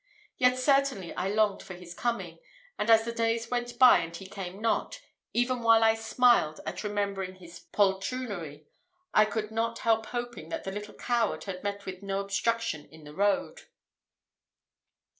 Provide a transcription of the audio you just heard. Yet certainly I longed for his coming; and as the days went by and he came not, even while I smiled at remembering his poltroonery, I could not help hoping that the little coward had met with no obstruction in the road.